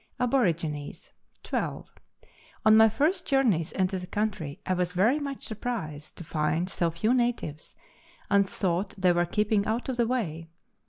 ABOEIGINES. 12. On my first journeys into the country I was very much surprised to find so few natives, and thought they were keeping out of the way.